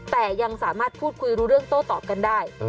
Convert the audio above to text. แต่ยังสามารถพูดคุยรู้เรื่องโต้ตอบกันได้